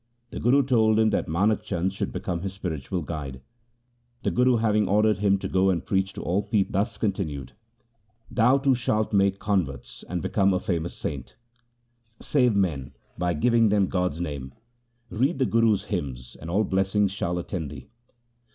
The Guru told him that Manak Chand should become his spiritual guide. The Guru having ordered him to go and preach to all people thus con tinued :' Thou too shalt make converts and become a famous saint ; save men by giving them God's name, read the Guru's hymns, and all blessings shall attend thee.'